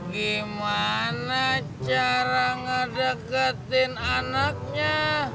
gimana cara ngedekatin anaknya